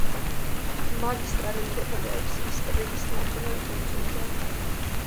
მაგისტრალი მდებარეობს ისტრიის ნახევარკუნძულზე.